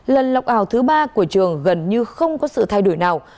lần lọc ảo thứ ba của trường gần như không có sự thay đổi nào